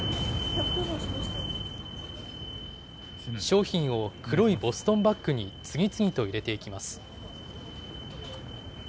商品を黒いボストンバッグに次々と入れていきます。